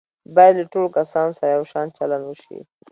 باید له ټولو کسانو سره یو شان چلند وشي.